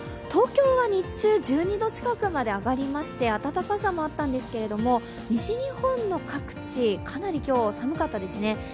東京は日中１２度近くまで上がりまして暖かさもあったんですけど西日本の各地、かなり今日寒かったですね